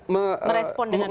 merespon dengan baik